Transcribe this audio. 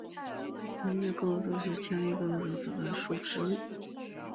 掌叶悬钩子是蔷薇科悬钩子属的植物。